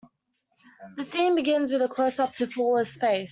The scene begins with a closeup to Paula's face.